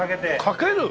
かける！？